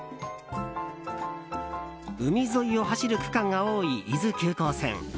海沿いを走る区間が多い伊豆急行線。